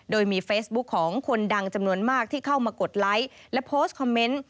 โดยมีเฟซบุ๊คของคนดังจำนวนมากที่เข้ามากดไลค์และโพสต์คอมเมนต์